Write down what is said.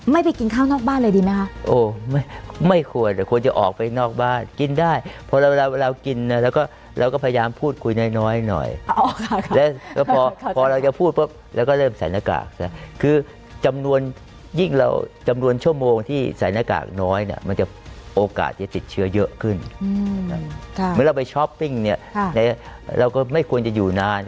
ไม่ไปกินข้าวนอกบ้านเลยดีไหมคะโอ้ไม่ควรแต่ควรจะออกไปนอกบ้าน